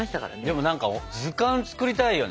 でも何か図鑑作りたいよね。